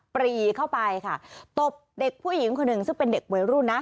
ปรีเข้าไปค่ะตบเด็กผู้หญิงคนหนึ่งซึ่งเป็นเด็กวัยรุ่นนะ